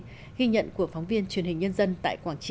ghi nhận của phóng viên truyền hình nhân dân tại quảng trị